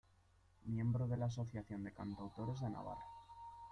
Miembro de la Asociación de Cantautores de Navarra.